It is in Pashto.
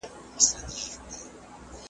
چي نا اهله په وطن كي پر قدرت وي .